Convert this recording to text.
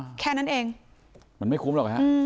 แค่นั้นเองมันไม่คุ้มหรอกฮะอืม